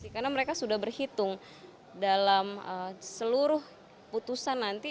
karena mereka sudah berhitung dalam seluruh putusan nanti